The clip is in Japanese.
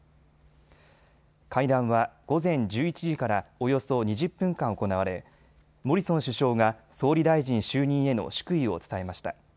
会談は午前１１時からおよそ２０分間行われモリソン首相が総理大臣就任への祝意を伝えました。